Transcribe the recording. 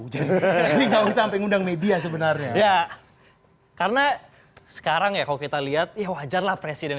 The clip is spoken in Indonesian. jadi sampai mengundang media sebenarnya karena sekarang ya kalau kita lihat ya wajarlah presiden